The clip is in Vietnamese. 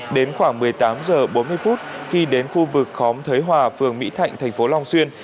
đến khoảng một mươi tám h bốn mươi phút khi đến khu vực khóm thới hòa phường mỹ thạnh thành phố long xuyên